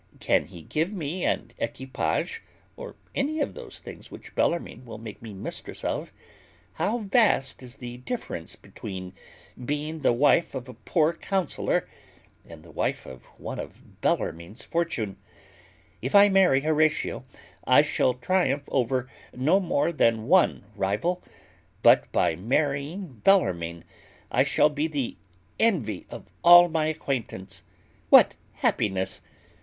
Can he give me an equipage, or any of those things which Bellarmine will make me mistress of? How vast is the difference between being the wife of a poor counsellor and the wife of one of Bellarmine's fortune! If I marry Horatio, I shall triumph over no more than one rival; but by marrying Bellarmine, I shall be the envy of all my acquaintance. What happiness!